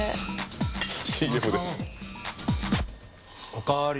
おかわり。